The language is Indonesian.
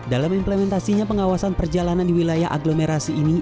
dalam implementasinya pengawasan perjalanan di wilayah agglomerasi ini